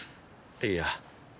いや。